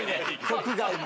「国外」に。